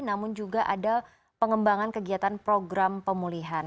namun juga ada pengembangan kegiatan program pemulihan